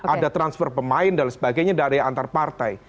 ada transfer pemain dan sebagainya dari antar partai